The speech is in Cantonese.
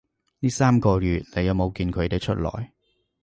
呢三個月你有冇見佢哋出來